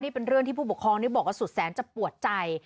เป็นเรื่องที่ผู้ปกครองนี่บอกว่าสุดแสนจะปวดใจ